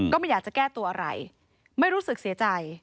ก็ไม่อยากจะแก้ตัวอะไรไม่รู้สึกเสียใจ